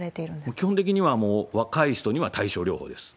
基本的には、もう若い人には対症療法です。